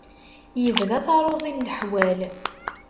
Ibda taruẓi n leḥwal!